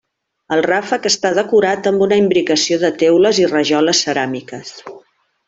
El ràfec està decorat amb una imbricació de teules i rajoles ceràmiques.